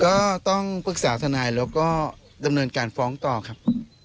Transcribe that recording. ก็ต้องปรึกษาทนายแล้วก็ดำเนินการฟ้องต่อครับ